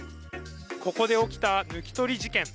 ここで起きた抜き取り事件